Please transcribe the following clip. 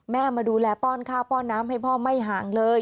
มาดูแลป้อนข้าวป้อนน้ำให้พ่อไม่ห่างเลย